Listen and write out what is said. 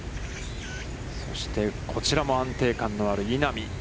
そして、こちらも安定感のある稲見。